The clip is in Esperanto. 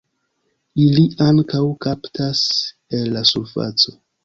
Ili ankaŭ kaptas el la surfaco.